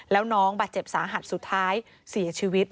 แล้วน้องบาดเจ็บสาหัสสุดท้ายเสียชีวิต